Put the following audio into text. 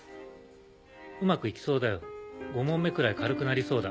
うまく行きそうだよ５匁くらい軽くなりそうだ。